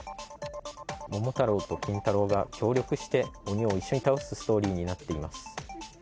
桃太郎と金太郎が協力して鬼を一緒に倒すストーリーになっています。